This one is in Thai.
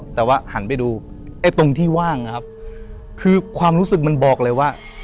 แต่ว่าหันไปดูไอ้ตรงที่ว่างนะครับคือความรู้สึกมันบอกเลยว่า